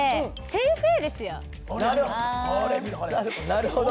なるほど。